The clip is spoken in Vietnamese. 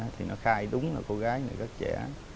thì nó khai đúng là cô gái này rất trẻ